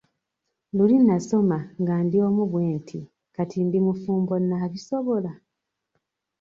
Luli nasoma nga ndi omu bwe nti kati ndi mufumbo naabisobola?